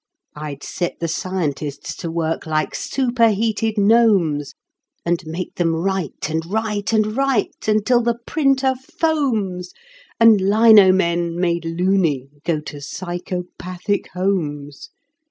I'd set the scientists to work like superheated gnomes, And make them write and write and write until the printer foams And lino men, made "loony", go to psychopathic homes.